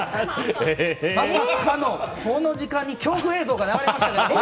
まさかのこの時間に恐怖映像が流れました。